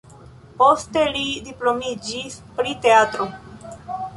Poste li diplomiĝis pri teatro.